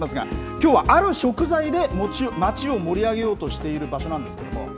きょうはある食材で町を盛り上げようとしている場所なんですけれども。